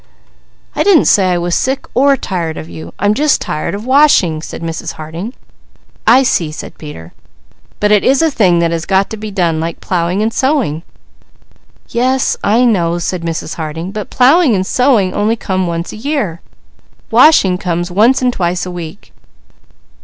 "I didn't say I was sick, or tired of you, I'm just tired of washing!" said Mrs. Harding. "I see!" said Peter. "But it is a thing that has got to be done, like plowing and sowing." "Yes I know," said Mrs. Harding, "but plowing and sowing only come once a year. Washing comes once and twice a week."